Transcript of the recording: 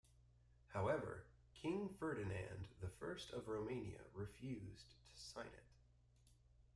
However, King Ferdinand the First of Romania refused to sign it.